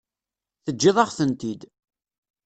Teǧǧiḍ-aɣ-tent-id.